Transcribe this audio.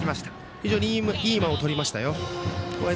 非常にいい間をとりました。